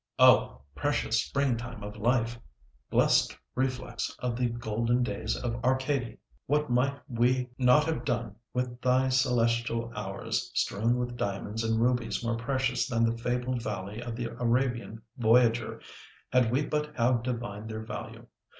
Oh! precious spring time of life! Blest reflex of the golden days of Arcady. What might we not have done with thy celestial hours, strewn with diamonds and rubies more precious than the fabled valley of the Arabian voyager, had we but have divined their value.